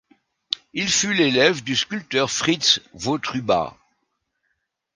Il fut l'élève du sculpteur Fritz Wotruba.